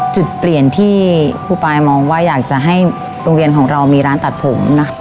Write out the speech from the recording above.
จุดเปลี่ยนที่ครูปายมองว่าอยากจะให้โรงเรียนของเรามีร้านตัดผมนะ